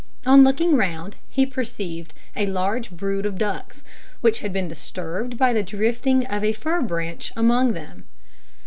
On looking round, he perceived a large brood of ducks, which had been disturbed by the drifting of a fir branch among them.